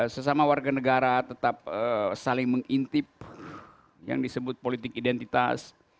sesama warga negara tetap saling mengintip yang disebut politik identitas